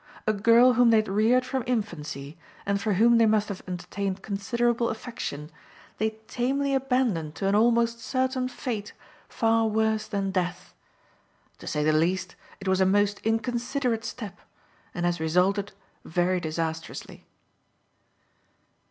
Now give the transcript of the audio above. A girl whom they had reared from infancy, and for whom they must have entertained considerable affection, they tamely abandoned to an almost certain fate far worse than death. To say the least, it was a most inconsiderate step, and has resulted very disastrously.